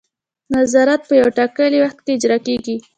نظارت په یو ټاکلي وخت کې اجرا کیږي.